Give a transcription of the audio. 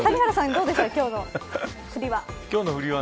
どうでした今日の振りは。